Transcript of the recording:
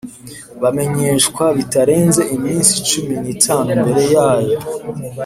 Bamenyeshwa bitarenze iminsi cumi n’itanu mbere yayo